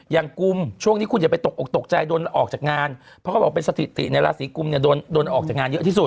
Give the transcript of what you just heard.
กลุ่มช่วงนี้คุณอย่าไปตกออกตกใจโดนออกจากงานเพราะเขาบอกเป็นสถิติในราศีกุมเนี่ยโดนออกจากงานเยอะที่สุด